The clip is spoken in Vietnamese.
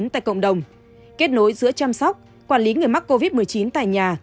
tại cộng đồng kết nối giữa chăm sóc quản lý người mắc covid một mươi chín tại nhà